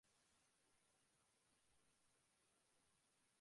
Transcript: তু-তুমি একজন কালেক্টর?